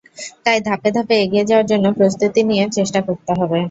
তাই ধাপে ধাপে এগিয়ে যাওয়ার জন্য প্রস্তুতি নিয়ে চেষ্টা করতে হবে।